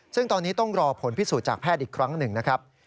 ซึ่งตอนนี้ต้องรอผลพิสูจน์จากแพทย์อีกครั้งหนึ่งนะครับ